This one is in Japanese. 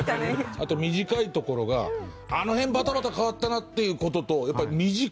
あと短いところがあの辺バタバタ変わったなっていう事と。